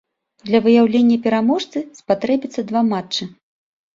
Для выяўлення пераможцы спатрэбяцца два матчы.